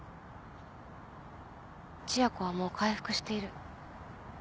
千夜子はもう回復している。